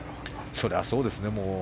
それはそうですね。